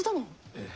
ええ。